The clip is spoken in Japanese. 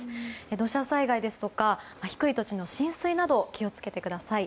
土砂災害ですとか低い土地の浸水など気を付けてください。